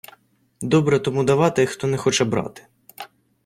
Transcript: Добре тому давати, хто не хоче брати.